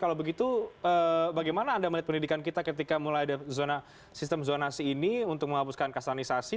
kalau begitu bagaimana anda melihat pendidikan kita ketika mulai ada sistem zonasi ini untuk menghapuskan kastanisasi